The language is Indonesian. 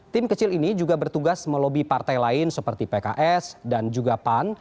tim kecil ini juga bertugas melobi partai lain seperti pks dan juga pan